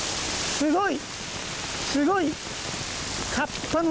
すごい。